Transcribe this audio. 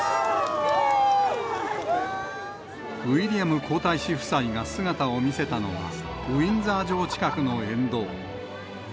ウィリアム皇太子夫妻が姿を見せたのはウィンザー城近くの沿道。